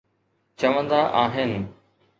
چوندا آهن